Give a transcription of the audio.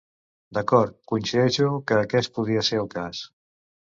D'acord, coincideixo que aquest podria ser el cas.